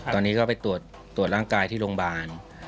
ตอนนี้ก็ไปตรวจร่างกายที่โรงพยาบาล